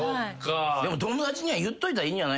でも友達には言っといたらいいんじゃない？